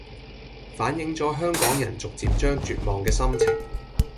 反映咗香港人逐漸將絕望嘅心情